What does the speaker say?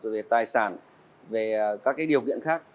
về tài sản về các điều kiện khác